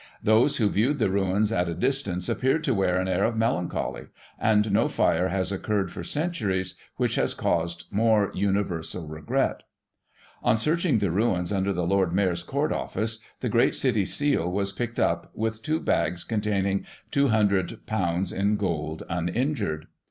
Those who viewed the ruins at a distance appeared to wear an air of melancholy, and no fire has occurred, for centuries, which has caused more universal regret. "On searching the ruins under the Lord Mayor's Court Office, the great City seal was picked up, with two bags, containing ;^200 in gold, uninjured.